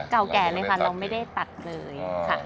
เก่าแก่เลยค่ะเราไม่ได้ตัดเลยค่ะ